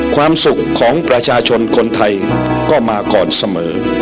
ความสุขของประชาชนคนไทยก็มาก่อนเสมอ